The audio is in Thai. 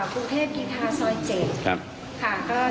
กากเข้ามาในร้านแล้วก็มาบอกว่าอยากให้เรา